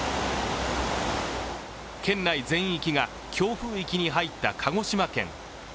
県内全域が強風域に入った鹿児島県。